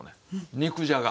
肉じゃが。